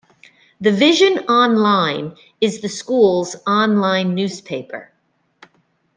"The Vision Online" is the school's online newspaper.